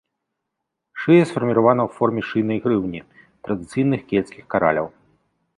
Шыя сфарміравана ў форме шыйнай грыўні, традыцыйных кельцкіх караляў.